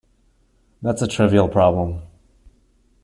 That's a trivial problem.